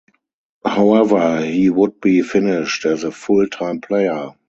However, he would be finished as a full-time player.